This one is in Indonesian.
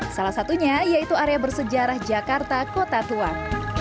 salah satunya yaitu area bersejarah jakarta kota tua